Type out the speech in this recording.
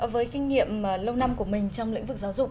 với kinh nghiệm lâu năm của mình trong lĩnh vực giáo dục